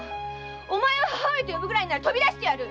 お前を母上と呼ぶくらいなら飛び出してやる！